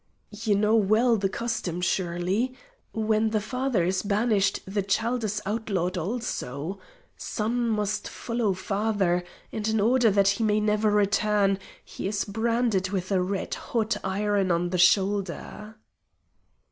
"You know well the custom, surely? When the father is banished the child is outlawed also. Son must follow father, and in order that he may never return, he is branded with a red hot iron on the shoulder."